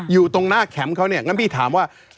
อยู่ตรงหน้าแคมป์เขาเนี่ยงั้นพี่ถามว่า